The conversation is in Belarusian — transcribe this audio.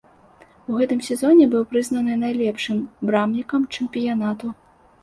У гэтым сезоне быў прызнаны найлепшым брамнікам чэмпіянату.